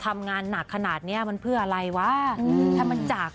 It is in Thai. ทำงานหนักขนาดเนี้ยมันเพื่ออะไรวะถ้ามันจาก